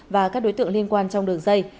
và các đối tượng liên quan trong đường dây